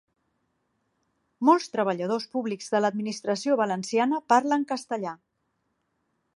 Molts treballadors públics de l'administració valenciana parlen castellà